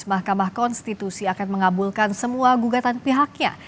mahkamah konstitusi akan mengabulkan semua gugatan pihaknya